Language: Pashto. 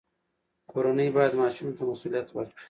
کورنۍ باید ماشوم ته مسوولیت ورکړي.